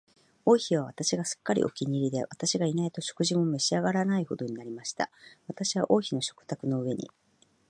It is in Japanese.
王妃は私がすっかりお気に入りで、私がいないと食事も召し上らないほどになりました。私は王妃の食卓の上に、